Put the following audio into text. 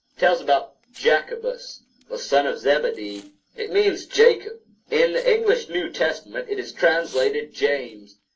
It tells about Jacobus, the son of Zebedee. It means Jacob. In the English New Testament it is translated James.